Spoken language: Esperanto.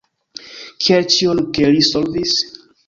Kiel ĉion, ke li solvis.